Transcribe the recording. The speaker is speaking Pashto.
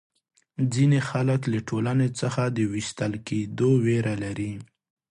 ځینې خلک له ټولنې څخه د وېستل کېدو وېره لري.